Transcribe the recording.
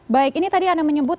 baik ini tadi anda menyebut